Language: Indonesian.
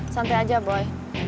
santai aja boy